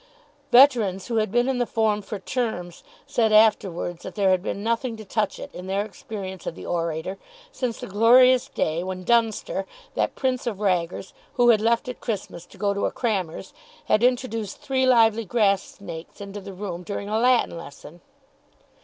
Veterans who had been in the form for terms said afterwards that there had been nothing to touch it, in their experience of the orator, since the glorious day when Dunster, that prince of raggers, who had left at Christmas to go to a crammer's, had introduced three lively grass snakes into the room during a Latin lesson.